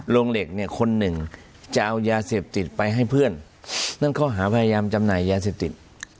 โรงเหล็กเนี่ยคนหนึ่งจะเอายาเสพติดไปให้เพื่อนนั่นเขาหาพยายามจำหน่ายยาเสพติด